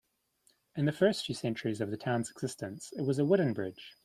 In the first few centuries of the town's existence, it was a wooden bridge.